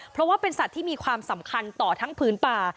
เพราะว่าเป็นสัตว์ที่มีความสำคัญต่อทั้งพื้นป่า